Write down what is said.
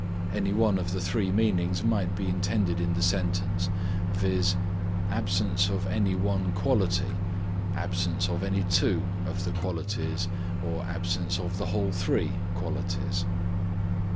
Any one of the three meanings might be intended in the sentence, viz., absence of any one quality, absence of any two of the qualities or absence of the whole three qualities.